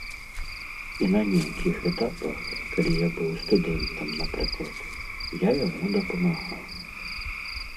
І на нейкіх этапах, калі я быў студэнтам, напрыклад, я яму дапамагаў.